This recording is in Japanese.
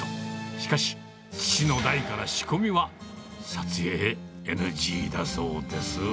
しかし、父の代から仕込みは撮影ＮＧだそうです。